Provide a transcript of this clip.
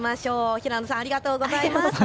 平野さん、ありがとうございます。